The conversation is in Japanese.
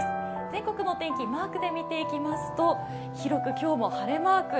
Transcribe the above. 全国の天気、マークで見ていきますと、広く今日も晴れマーク。